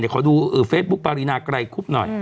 เดี๋ยวขอดูเฟซบุ๊กปารีนากลายคุบหน่อย